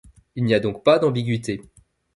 Il n'y a donc pas d'ambiguïté.